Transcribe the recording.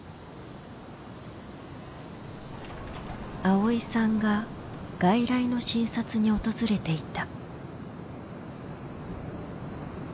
あおいさんが外来の診察に訪れていた。